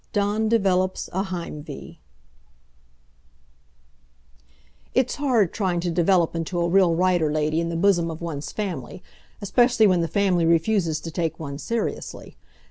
DAWN DEVELOPS A HEIMWEH It's hard trying to develop into a real Writer Lady in the bosom of one's family, especially when the family refuses to take one seriously.